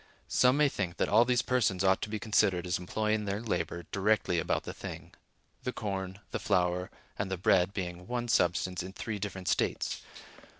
Some may think that all these persons ought to be considered as employing their labor directly about the thing; the corn, the flour, and the bread being one substance in three different states.